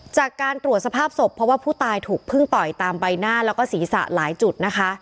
จากการตรวจสภาพศพเพราะว่าผู้ตายถูกพึ่งต่อยตามใบหน้าแล้วก็ศีรษะหลายจุดนะคะ